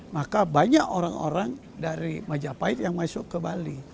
maka banyak orang orang dari majapahit yang masuk ke bali